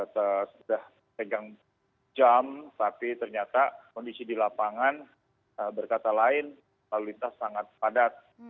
kita sudah pegang jam tapi ternyata kondisi di lapangan berkata lain lalu lintas sangat padat